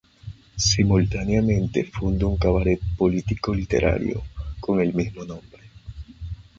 Simultáneamente funda un cabaret politico-literario con el mismo nombre.